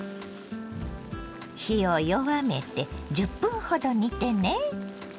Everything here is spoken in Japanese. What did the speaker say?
火を弱めて１０分ほど煮てね。